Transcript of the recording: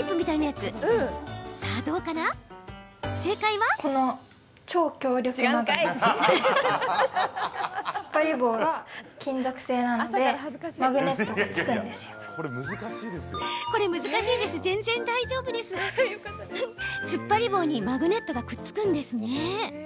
つっぱり棒にマグネットがくっつくんですね。